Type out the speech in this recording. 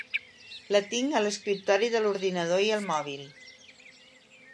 La tinc a l’escriptori de l’ordinador i al mòbil.